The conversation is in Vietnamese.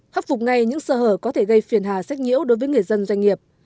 khắc phục ngay những sơ hở có thể gây phiền hà sách nhiễu đối với người dân doanh nghiệp